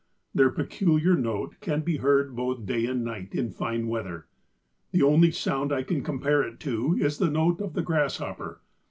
Their peculiar note can be heard both day and night in fine weather; the only sound I can compare it to is the note of the grasshopper.